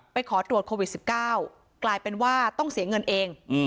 ขอตรวจโควิด๑๙กลายเป็นว่าต้องเสียเงินเอง